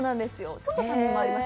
ちょっと酸味もあります。